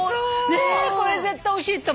ねっこれ絶対おいしいと思う。